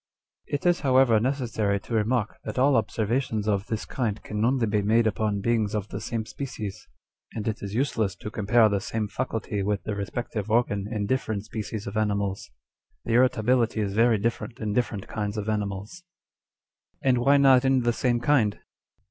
" It is however necessary to remark, that all observa tions of this kind can only be made upon beings of the same species, and it is useless to compare the same faculty with the respective organ in different species of animals. The irritability is very different in different kinds of animals." 2 And why not in the same kind